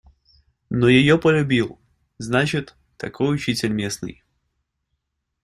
Но её полюбил, значит, такой учитель местный.